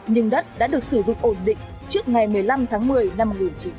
nhưng đất đã được sử dụng ổn định trước ngày một mươi năm tháng một mươi năm một nghìn chín trăm bảy mươi